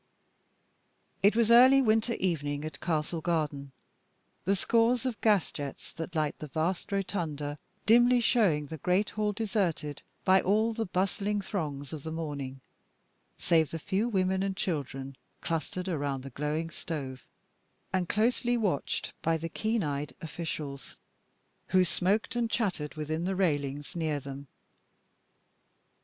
It was early winter evening at Castle Garden, the scores of gas jets that light the vast rotunda dimly showing the great hall deserted by all the bustling throngs of the morning, save the few women and children clustered around the glowing stove, and closely watched by the keen eyed officials who smoked and chatted within the railings near them.